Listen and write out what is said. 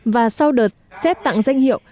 và sau đợt xét tặng danh hiệu